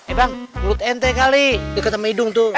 eh bang mulut ente kali deket sama hidung tuh